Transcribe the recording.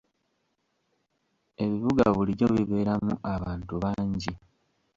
Ebibuga bulijjo bibeeramu abantu bangi.